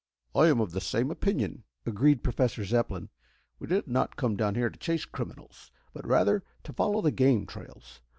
"I am of the same opinion," agreed Professor Zepplin. "We did not come down here to chase criminals, but rather to follow the game trails.